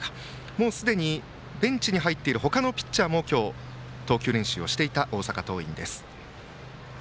もうすでにベンチに入っている他のピッチャーも今日、投球練習をしていた大阪桐蔭です。